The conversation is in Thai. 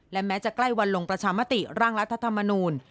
และแม้จะใกล้วันลงประชามติร่างรัฐธรรมนูล